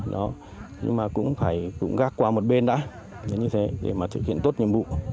nhưng mà cũng phải gác qua một bên đã để mà thực hiện tốt nhiệm vụ